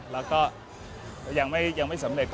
แล้วก็ยังไม่สำเร็จ